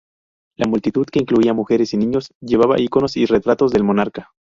La multitud, que incluía mujeres y niños, llevaba iconos y retratos del monarca.